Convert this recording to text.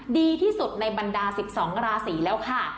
ดีที่สุดในบรรดา๑๒ราศีแล้วค่ะ